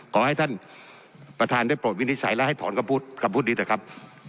ขอให้ท่านประธานได้โปรดวินิจฉัยและให้ถอนคำพูดคำพูดนี้เถอะครับ